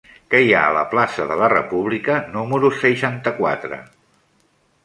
Què hi ha a la plaça de la República número seixanta-quatre?